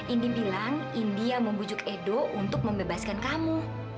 indi bilang indi yang membujuk edo untuk membebaskan kamu